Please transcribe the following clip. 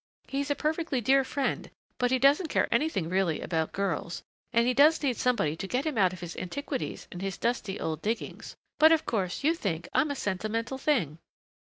He's a perfectly dear friend, but he doesn't care anything really about girls and he does need somebody to get him out of his antiquities and his dusty old diggings ... But of course you think I am a sentimental thing!"